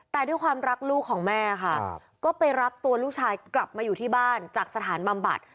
แต่ด้วยความรักลูกของแม่ค่ะก็ไปรับตัวลูกชายกลับมาอยู่ที่บ้านจากสถานบำบัด